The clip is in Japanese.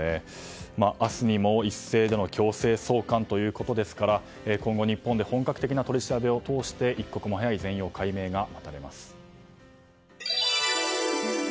明日にも一斉での強制送還ということですから今後、日本で本格的な取り調べを通して一刻も早い全容解明が待たれます。